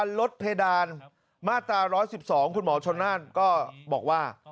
ลดเพดานมาตรา๑๑๒คุณหมอชนนั่นก็บอกว่า